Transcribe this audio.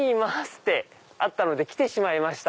ってあったので来てしまいました。